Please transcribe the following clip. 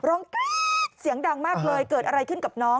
กรี๊ดเสียงดังมากเลยเกิดอะไรขึ้นกับน้อง